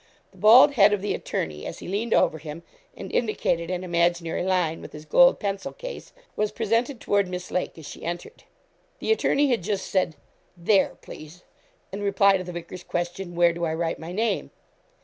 The bald head of the attorney, as he leaned over him, and indicated an imaginary line with his gold pencil case, was presented toward Miss Lake as she entered. The attorney had just said 'there, please,' in reply to the vicar's question, 'Where do I write my name?'